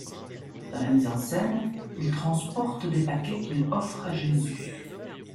Dans la mise en scène, il transporte des paquets qu'il offre à Jésus.